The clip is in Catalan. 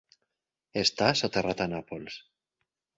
Està soterrat a Nàpols.